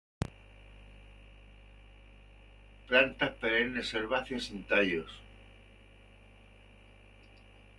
Plantas perennes herbáceas sin tallos.